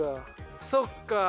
そっか。